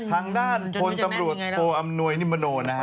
ทางด้านพลตำรวจโทอำนวยนิมโนนะฮะ